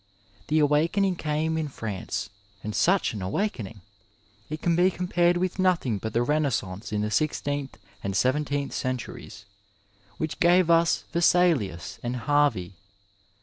The awakening came in France, and such an awakening ! It can be compared with nothing but the renaissance in the sixteenth and seventeenth centuries, which gave ns Yesalius and Harvey.